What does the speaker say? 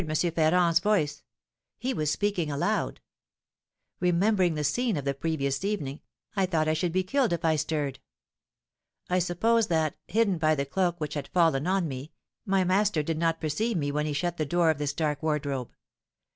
Ferrand's voice, he was speaking aloud. Remembering the scene of the previous evening, I thought I should be killed if I stirred. I suppose that, hidden by the cloak which had fallen on me, my master did not perceive me when he shut the door of this dark wardrobe.